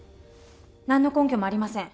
何の根拠もありません。